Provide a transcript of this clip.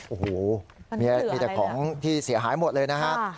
โอ้โหมีแต่ของที่เสียหายหมดเลยนะครับ